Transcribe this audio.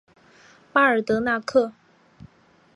巴尔德纳克。